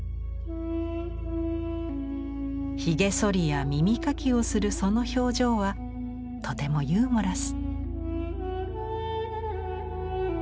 ひげそりや耳かきをするその表情はとてもユーモラス。